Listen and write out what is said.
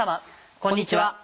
こんにちは。